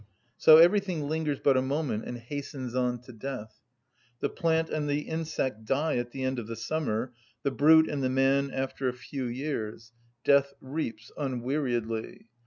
So everything lingers but a moment, and hastens on to death. The plant and the insect die at the end of the summer, the brute and the man after a few years: death reaps unweariedly.